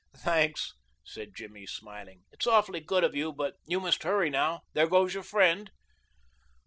"Thanks," said Jimmy, smiling. "It's awfully good of you, but you must hurry now. There goes your friend."